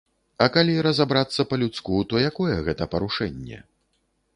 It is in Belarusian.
А калі разабрацца па-людску, то якое гэта парушэнне?